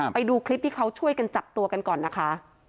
ไปดูคลิปที่เขาช่วยกันจับตัวกันก่อนนะคะ